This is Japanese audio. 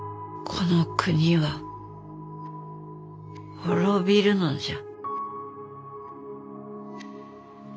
この国は滅びるのじゃ。